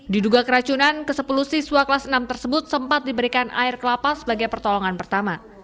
diduga keracunan ke sepuluh siswa kelas enam tersebut sempat diberikan air kelapa sebagai pertolongan pertama